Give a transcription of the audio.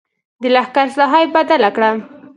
د لښکر ساحه یې بدله کړه.